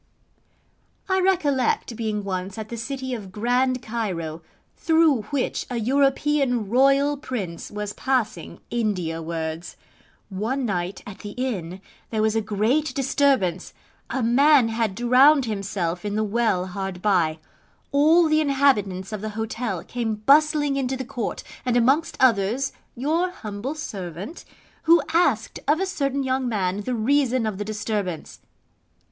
I recollect being once at the city of Grand Cairo, through which a European Royal Prince was passing India wards. One night at the inn there was a great disturbance: a man had drowned himself in the well hard by: all the inhabitants of the hotel came bustling into the Court, and amongst others your humble servant, who asked of a certain young man the reason of the disturbance.